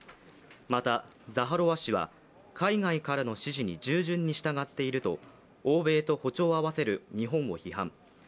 またザハロワ氏は海外からの指示に従順に従っていると欧米と歩調を合わせる日本を批判。